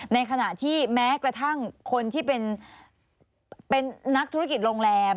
ในขณะที่แม้กระทั่งคนที่เป็นนักธุรกิจโรงแรม